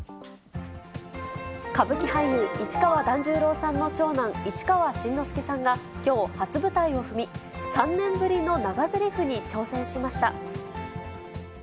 歌舞伎俳優、市川團十郎さんの長男、市川新之助さんが、きょう、初舞台を踏み、３年ぶりの長ぜりふに挑戦しました。